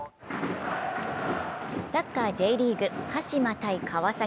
サッカーＪリーグ、鹿島×川崎。